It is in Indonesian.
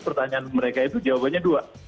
pertanyaan mereka itu jawabannya dua